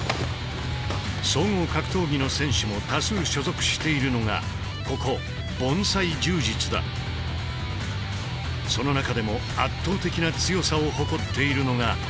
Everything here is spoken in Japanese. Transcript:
総合格闘技の選手も多数所属しているのがここその中でも圧倒的な強さを誇っているのが。